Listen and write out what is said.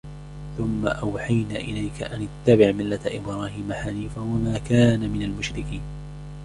ثم أوحينا إليك أن اتبع ملة إبراهيم حنيفا وما كان من المشركين